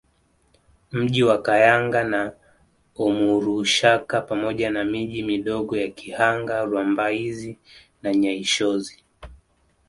Mji wa Kayanga na Omurushaka pamoja na miji midogo ya Kihanga Rwambaizi na Nyaishozi